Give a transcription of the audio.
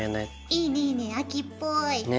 いいねいいね秋っぽい。